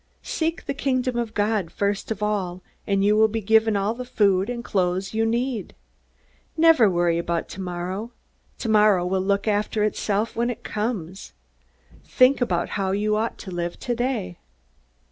Seek the Kingdom of God first of all, and you will be given all the food and clothes you need. Never worry about tomorrow. Tomorrow will look after itself when it comes. Think about how you ought to live today."